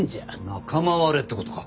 仲間割れって事か。